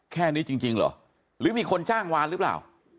แค่นี้จริงเหรอหรือมีคนจ้างวานหรือเปล่า